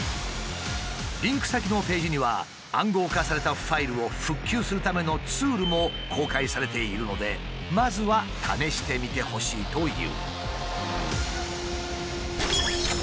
リンク先のページには暗号化されたファイルを復旧するためのツールも公開されているのでまずは試してみてほしいという。